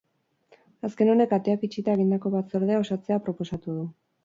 Azken honek ateak itxita egindako batzordea osatzea proposatu du.